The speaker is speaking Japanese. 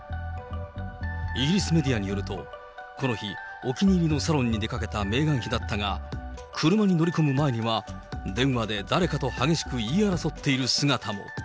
イギリスメディアによると、この日、お気に入りのサロンに出かけたメーガン妃だったが、車に乗り込む前には、電話で誰かと激しく言い争っている姿も。